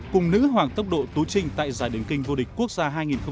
cùng nữ hoàng tốc độ tú trinh tại giải điền kinh vô địch quốc gia hai nghìn hai mươi